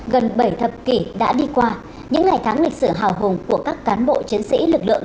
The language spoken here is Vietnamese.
gần bảy thập kỷ đã đi qua những ngày tháng lịch sử hào hùng của các cán bộ chiến sĩ lực lượng